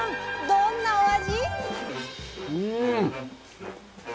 どんなお味？